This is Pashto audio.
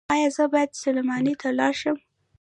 ایا زه باید سلماني ته لاړ شم؟